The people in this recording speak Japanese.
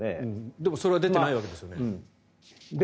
でもそれは出てないわけですよね。